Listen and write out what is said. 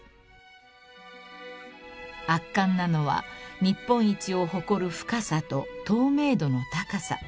［圧巻なのは日本一を誇る深さと透明度の高さ］